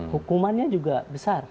hukumannya juga besar